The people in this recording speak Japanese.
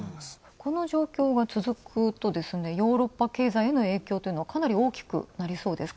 この状況が続くとヨーロッパ経済への影響というのは、かなり大きくなりそうですか？